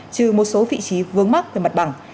trừ một số vị trí vướng mắc về mặt bằng